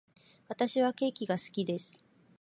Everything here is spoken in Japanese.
私はケーキが好きです。